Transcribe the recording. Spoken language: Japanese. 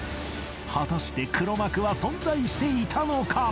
果たして黒幕は存在していたのか！？